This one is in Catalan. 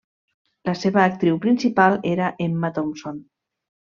La seva actriu principal era Emma Thompson.